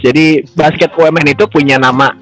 jadi basket wmn itu punya nama